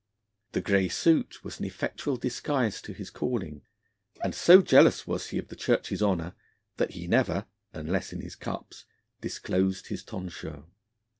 The grey suit was an effectual disguise to his calling, and so jealous was he of the Church's honour that he never unless in his cups disclosed his tonsure.